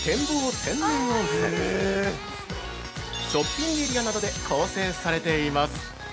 天然温泉ショッピングエリアなどで構成されています。